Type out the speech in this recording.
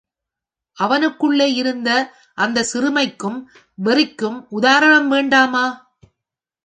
அவனுக்குள்ளே இருந்த அந்தச் சிறுமை க்கும் வெறி க்கும் உதாரணம் வேண்டாமா?